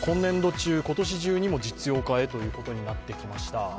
今年中にも実用化へということになってきました。